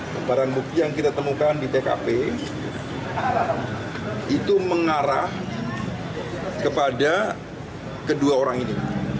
ke barang bukti yang kita temukan di tkp itu mengarah kepada kedua orang ini